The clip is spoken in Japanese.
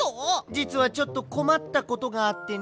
じつはちょっとこまったことがあってね。